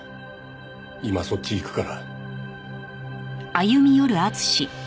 今そっち行くから。